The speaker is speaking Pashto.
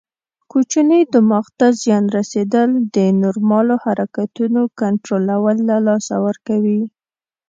کوچني دماغ ته زیان رسېدل د نورمالو حرکتونو کنټرول له لاسه ورکوي.